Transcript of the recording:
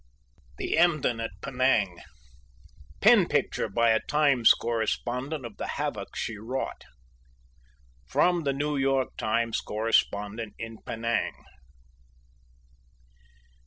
The Emden at Penang Pen Picture by a Times Correspondent of the Havoc She Wrought [From THE NEW YORK TIMES Correspondent in Penang.